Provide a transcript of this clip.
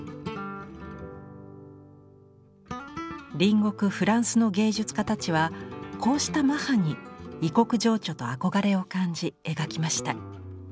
隣国フランスの芸術家たちはこうした「マハ」に異国情緒と憧れを感じ描きました。